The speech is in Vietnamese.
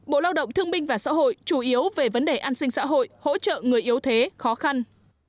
bộ lao động thương minh và xã hội chủ yếu về vấn đề an sinh xã hội hỗ trợ người yếu thế khó khăn